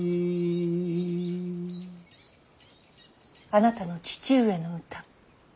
あなたの父上の歌。